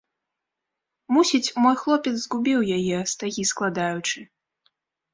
Мусіць, мой хлопец згубіў яе, стагі складаючы.